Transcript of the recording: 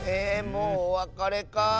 もうおわかれかあ。